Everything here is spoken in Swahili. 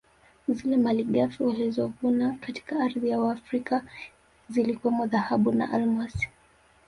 Zile malighafi walizovuna katika ardhi ya Afrika ziliwemo dhahabu na almasi